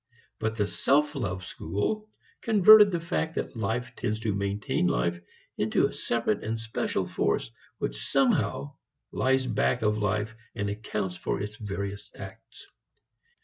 But the self love school converted the fact that life tends to maintain life into a separate and special force which somehow lies back of life and accounts for its various acts.